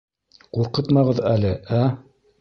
— Ҡурҡытмағыҙ әле, ә?